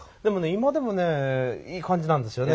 今でもねいい感じなんですよね。